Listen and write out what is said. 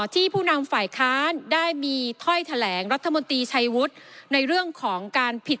ผู้นำฝ่ายค้านได้มีถ้อยแถลงรัฐมนตรีชัยวุฒิในเรื่องของการผิด